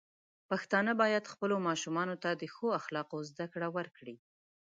پښتانه بايد خپلو ماشومانو ته د ښو اخلاقو زده کړه ورکړي.